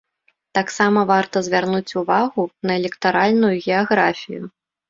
Таксама варта звярнуць увагу на электаральную геаграфію.